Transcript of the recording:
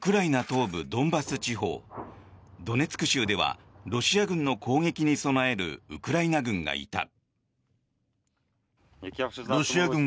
東部ドンバス地方ドネツク州ではロシア軍の攻撃に備えるウクライナ軍がいた。